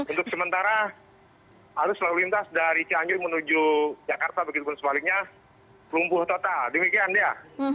untuk sementara arus lalu lintas dari cianjur menuju jakarta begitu pun sebaliknya lumpuh total demikian dea